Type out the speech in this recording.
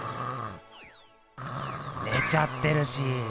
ねちゃってるし！